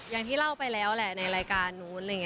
อย่างที่เล่าไปแล้วแหละในรายการนู้น